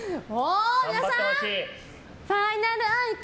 皆さん、ファイナル愛花？